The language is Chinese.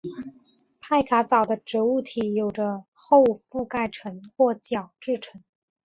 派卡藻的植物体有着厚覆盖层或角质层。